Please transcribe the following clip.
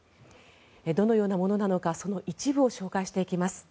どのようなものなのかその一部を紹介していきます。